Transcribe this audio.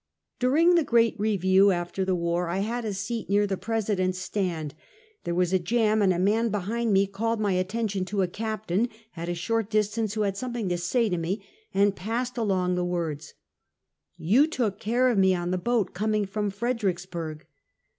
During the great review after the war, T had a seat near the President's stand. There was a jam, and a man behind me called my attention to a captain, at a short distance, who had something to say to me, and passed along the words: " You took care of me on the boat coming from Fredericksburg."